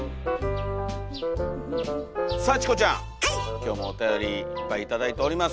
今日もおたよりいっぱい頂いております。